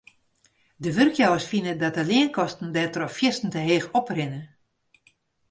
De wurkjouwers fine dat de leankosten dêrtroch fierstente heech oprinne.